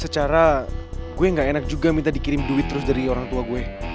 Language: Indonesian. secara gue gak enak juga minta dikirim duit terus dari orang tua gue